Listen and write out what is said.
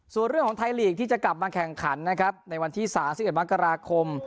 ส่วนเรื่องของไทยลีกที่จะกลับมาแข่งขันนะครับในวันที่๓๑มกราคม